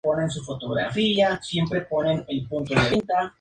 Estas festividades se realizan una vez al año en el mes de mayo.